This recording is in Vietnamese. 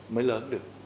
mới lớn được